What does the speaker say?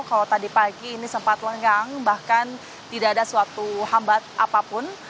kalau tadi pagi ini sempat lengang bahkan tidak ada suatu hambat apapun